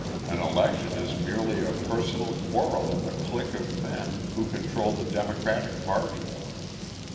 An election is merely a personal quarrel in the clique of men who control the Democratic party.